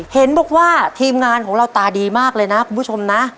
เห็นบอกว่าทีมงานของเราตาดีมากเลยนะคุณผู้ชมนะ